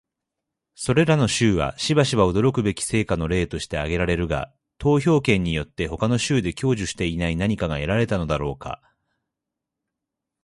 それらの州はしばしば驚くべき成果の例として挙げられるが、投票権によって他の州で享受していない何かが得られたのだろうか？